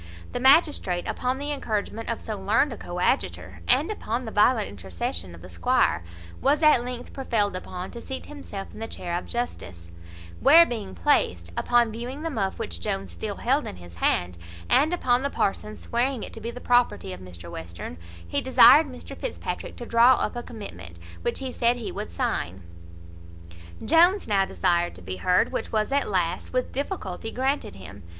The magistrate, upon the encouragement of so learned a coadjutor, and upon the violent intercession of the squire, was at length prevailed upon to seat himself in the chair of justice, where being placed, upon viewing the muff which Jones still held in his hand, and upon the parson's swearing it to be the property of Mr Western, he desired Mr Fitzpatrick to draw up a commitment, which he said he would sign. Jones now desired to be heard, which was at last, with difficulty, granted him.